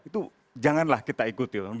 itu janganlah kita ikuti